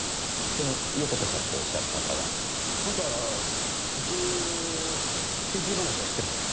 その横手さんとおっしゃる方は？あんたうちの提携話は知ってるかい？